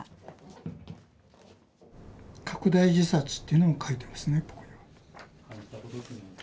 拡大自殺っていうのを書いてますね。